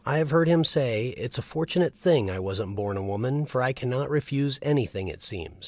I have heard him say, "It's a for tunate thing I wasn't born a woman, for I cannot refuse anything, it seems."